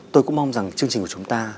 tôi cũng mong rằng chương trình của chúng ta